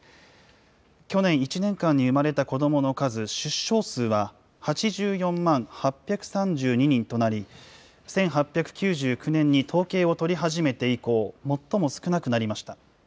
去年１年間に生まれた子どもの数、出生数は８４万８３２人となり、１８９９年に統計を取り始めて以降、最も少なくなりました。